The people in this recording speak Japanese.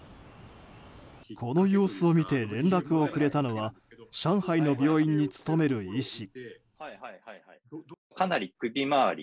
この様子を見て連絡をくれたのは上海の病院に勤める医師。